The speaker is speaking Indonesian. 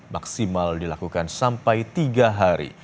maksimal dilakukan sampai tiga hari